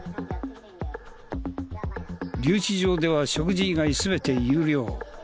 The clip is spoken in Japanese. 留置場では食事以外全て有料。